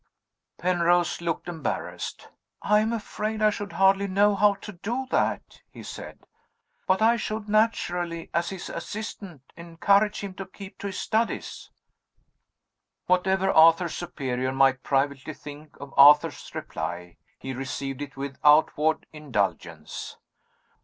Penrose looked embarrassed. "I am afraid I should hardly know how to do that," he said "But I should naturally, as his assistant, encourage him to keep to his studies." Whatever Arthur's superior might privately think of Arthur's reply, he received it with outward indulgence.